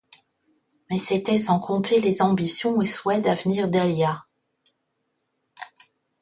Mais c'était sans compter les ambitions et souhaits d'avenir d'Elia.